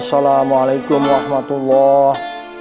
assalamualaikum wa rahmatullah